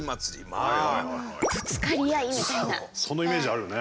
そのイメージあるよね。